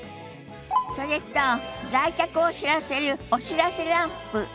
それと来客を知らせるお知らせランプ。